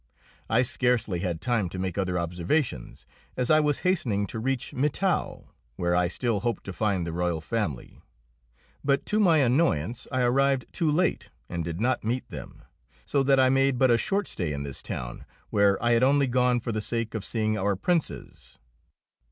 I scarcely had time to make other observations, as I was hastening to reach Mittau, where I still hoped to find the royal family. But to my annoyance I arrived too late and did not meet them, so that I made but a short stay in this town, where I had only gone for the sake of seeing our Princes.